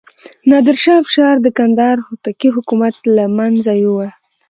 نادر شاه افشار د کندهار هوتکي حکومت له منځه یووړ.